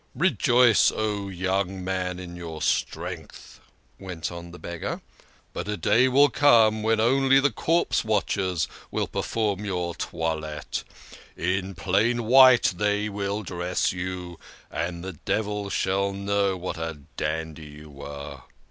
" Rejoice, O young man, in your strength," went on the Beggar, " but a day will come when only the corpse watchers will perform your toilette. In plain white they will dress you, and the devil shall never know what a dandy you were."